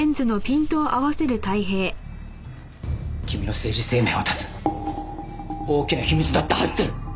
君の政治生命を断つ大きな秘密だって入ってる。